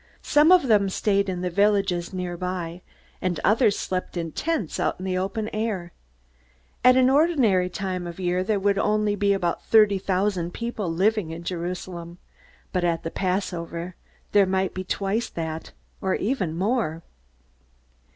Some of them stayed in the villages near by, and others slept in tents out in the open air. At an ordinary time of the year, there would be only about thirty thousand people living in Jerusalem. But at the Passover there might be twice that, or even more.